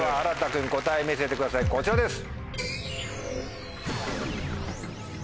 君答え見せてくださいこちらです。